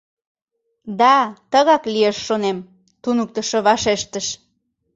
— Да, тыгак лиеш, шонем, — туныктышо вашештыш.